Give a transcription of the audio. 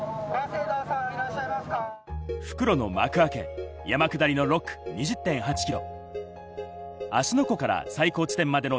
復路の幕開け、山下りの６区、２０．８ｋｍ。